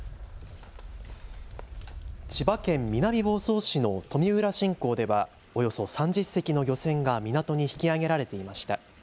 千葉県南房総市の富浦新港ではおよそ３０隻の漁船が港に引き揚げられていました。